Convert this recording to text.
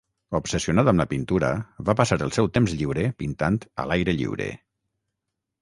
Obsessionat amb la pintura, va passar el seu temps lliure pintant "a l'aire lliure".